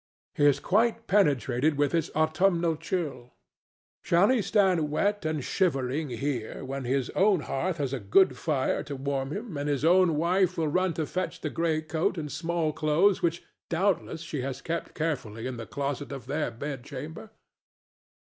He is quite penetrated with its autumnal chill. Shall he stand wet and shivering here, when his own hearth has a good fire to warm him and his own wife will run to fetch the gray coat and small clothes which doubtless she has kept carefully in the closet of their bedchamber?